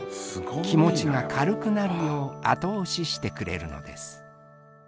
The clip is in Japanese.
気持ちが軽くなるよう後押ししてくれるのです。